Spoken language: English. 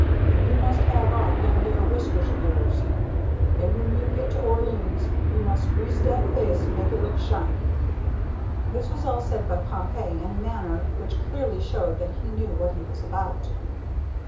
"Den you must have off dem dare whiskers of yours, an when you get to Orleans you must grease dat face an make it look shiney." This was all said by Pompey in a manner which clearly showed that he knew what he was about.